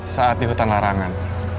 saat di hutan larangan